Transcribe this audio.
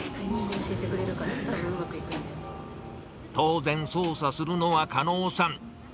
当然、操作するのは加納さん。